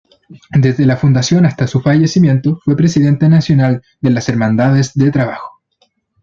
Desde la fundación hasta su fallecimiento fue presidente nacional de las Hermandades de Trabajo.